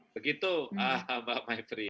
begitu mbak maipri